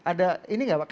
ada ini gak pak